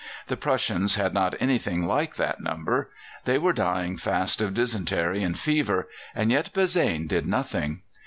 The Prussians had not anything like that number. They were dying fast of dysentery and fever, and yet Bazaine did nothing.